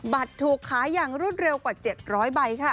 บัตรถูกค้ายังรุ่นเร็วกว่า๗๐๐ใบค่ะ